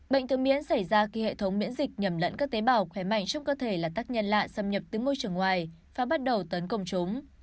bệnh thường miễn xảy ra khi hệ thống miễn dịch nhầm lẫn các tế bào khỏe mạnh trong cơ thể là tác nhân lạ xâm nhập từ môi trường ngoài và bắt đầu tấn công chúng